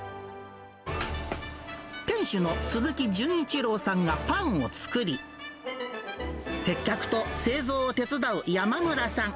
店主の鈴木純一郎さんがパンを作り、接客と製造を手伝う山村さん。